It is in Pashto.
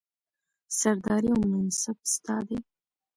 سرداري او منصب ستا دی